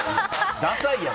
ダサいやろ！